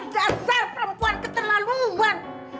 dasar perempuan keterlaluan